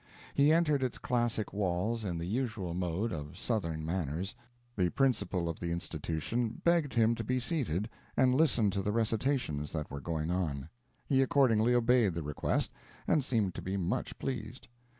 He entered its classic walls in the usual mode of southern manners. The principal of the Institution begged him to be seated and listen to the recitations that were going on. He accordingly obeyed the request, and seemed to be much pleased.